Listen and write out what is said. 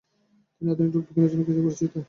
তিনি আধুনিক রোগবিজ্ঞানের জনক হিসেবে পরিচিত।